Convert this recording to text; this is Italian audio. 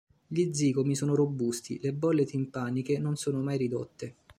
Gli zigomi sono robusti, le bolle timpaniche non sono mai ridotte.